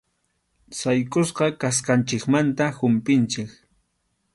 Saykʼusqa kasqanchikmanta humpʼinchik.